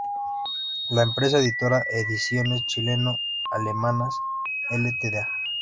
La empresa editora "Ediciones Chileno-Alemanas Ltda.